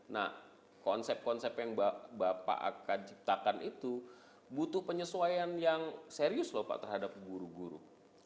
nah konsep konsep yang bapak akan ciptakan itu butuh penyesuaian yang serius loh pak terhadap guru guru